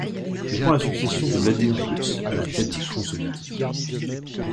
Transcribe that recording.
Il prend la succession de Vladimir Kuts à la tête du fond soviétique.